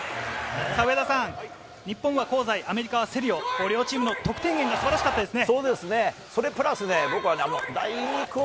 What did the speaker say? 上田さん、日本は香西、アメリカはセリオ、両チームの得点源が素晴らしかったですね。